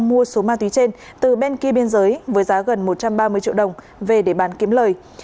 mua số ma túy trên từ bên kia biên giới với giá gần một trăm ba mươi triệu đồng về để bán kiếm lời